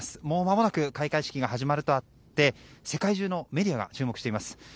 もうまもなく開会式が始まるとあって世界中のメディアが注目しています。